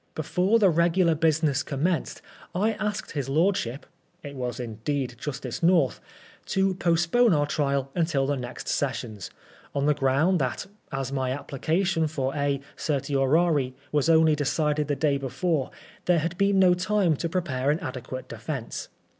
Before the regular business commenced, I asked his lordship (it was indeed Justice North) to postpone our trisd until the next sessions, on the ground that, as my application for a certiorciri was only decided the day before, there had been no time to prepare an adequate VSMSPABXHG FOB TBIAL. 61 defence.